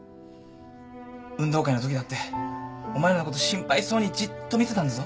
運動会のときだってお前らのこと心配そうにじっと見てたんだぞ。